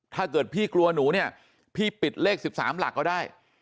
ถ้าเกิดพี่กลัวหนูเนี่ยพี่ปิดเลข๑๓หลักก็ได้